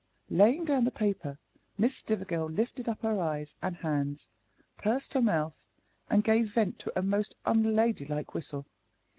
Laying down the paper, Miss Stivergill lifted up her eyes and hands, pursed her mouth, and gave vent to a most unladylike whistle!